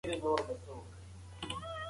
دا زموږ په ګټه ده.